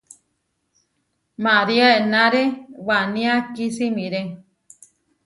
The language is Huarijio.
María enáre wanía kisimiré.